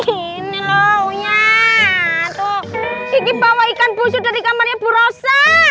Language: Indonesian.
ini loh punya tuh kike bawa ikan busu dari kamarnya ibu nurse